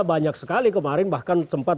banyak sekali kemarin bahkan sempat